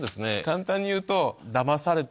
簡単にいうと。